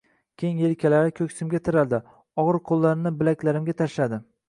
Keng elkalari ko`ksimga tiraldi, og`ir qo`llarini bilaklarimga tashladi